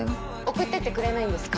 送ってってくれないんですか？